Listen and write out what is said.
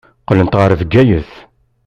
Qqlent ɣer Bgayet.